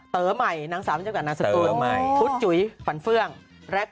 เต๋อใหม่ขั้นเด็ก